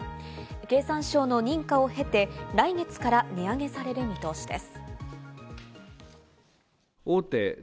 経産省の認可を経て、来月から値上げされる見通しです。